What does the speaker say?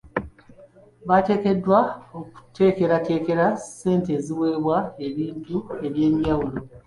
Bateekeddwa okuteekerateekera ssente eziweebwa ebintu eby'enjawulo.